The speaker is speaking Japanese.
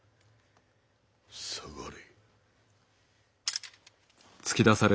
下がれ。